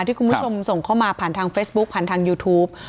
ที่คุณผู้ชมส่งเข้ามาผ่านทางเฟซบุ๊คผ่านทางยูทูป